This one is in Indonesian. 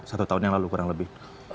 satu tahun yang lalu kurang lebih